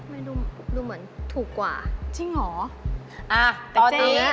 ไม่รู้ดูเหมือนถูกกว่าจริงเหรอ